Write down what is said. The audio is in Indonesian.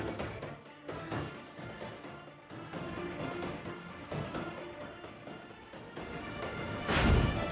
masa enggak ada